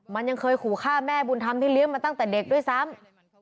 มันยังเคยขู่ฆ่าแม่บุญธรรมที่เลี้ยงมาตั้งแต่เด็กด้วยซ้ำ